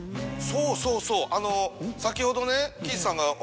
そうそうそうあの先ほどね。